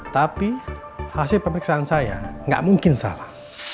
tapi hasil pemeriksaan saya nggak mungkin salah